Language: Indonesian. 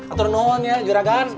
atur naan ya juragan